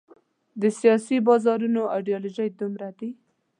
د سیاسي بازارونو ایډیالوژۍ دومره دي.